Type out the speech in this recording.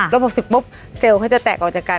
ลบ๖๐ปุ๊บเซลล์เขาจะแตกออกจากกัน